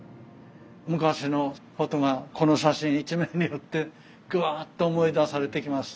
昔のことがこの写真一枚によってグワっと思い出されてきます。